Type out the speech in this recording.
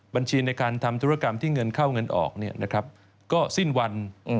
ในการทำธุรกรรมที่เงินเข้าเงินออกก็สิ้นวัน